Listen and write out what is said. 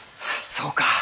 そうか。